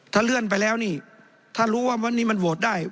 ถ้าเลื่อนไปแล้วนี่ถ้ารู้ว่าวันนี้มันโหวตได้